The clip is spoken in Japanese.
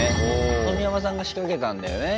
冨山さんが仕掛けたんだよね。